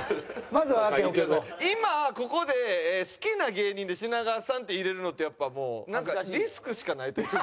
今ここで好きな芸人で品川さんって入れるのってやっぱもうリスクしかないというか。